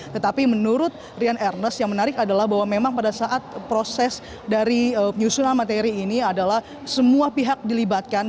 tetapi menurut rian ernest yang menarik adalah bahwa memang pada saat proses dari penyusunan materi ini adalah semua pihak dilibatkan